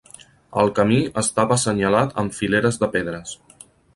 El camí estava assenyalat amb fileres de pedres.